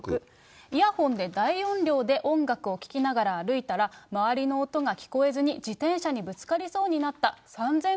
イヤホンで大音量で音楽を聴きながら歩いたら、周りの音が聞こえずに自転車にぶつかりそうになった。